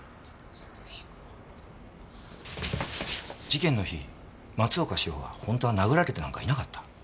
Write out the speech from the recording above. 事件の日松岡志保は本当は殴られてなんかいなかった。